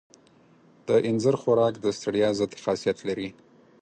د اینځر خوراک د ستړیا ضد خاصیت لري.